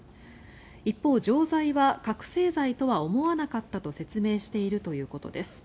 一方、錠剤は覚醒剤とは思わなかったと説明しているということです。